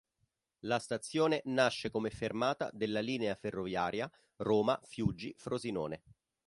La stazione nasce come fermata della linea ferroviaria Roma-Fiuggi-Frosinone.